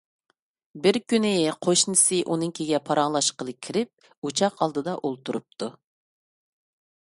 بىر كۈنى قوشنىسى ئۇنىڭكىگە پاراڭلاشقىلى كىرىپ، ئوچاق ئالدىدا ئولتۇرۇپتۇ.